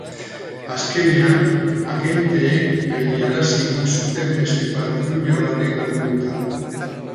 Azkenean, agenteek geldiarazi egin zuten beste patruila batek lagunduta.